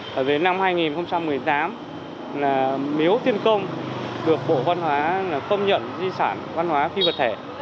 với năm hai nghìn một mươi tám miếu tiên công được bộ văn hóa công nhận di sản văn hóa phi vật thể